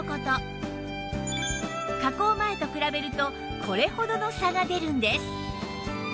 加工前と比べるとこれほどの差が出るんです